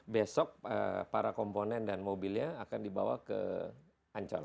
besok para komponen dan mobilnya akan dibawa ke ancol